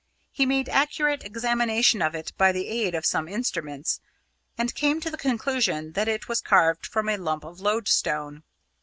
He made accurate examination of it by the aid of some instruments, and came to the conclusion that it was carved from a lump of lodestone.